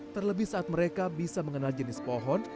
terlebih saat mereka bisa mengenal jenis pohon